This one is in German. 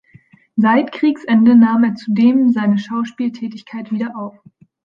Seit Kriegsende nahm er zudem seine Schauspieltätigkeit wieder auf.